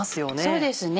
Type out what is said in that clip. そうですね。